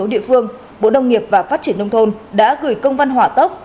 một số địa phương bộ đông nghiệp và phát triển nông thôn đã gửi công văn hỏa tốc